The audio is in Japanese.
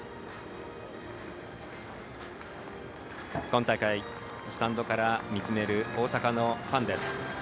今大会スタンドから見つめる大阪のファンです。